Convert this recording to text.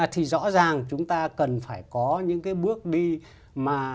thì rõ ràng chúng ta cần phải có những cái bước đi mà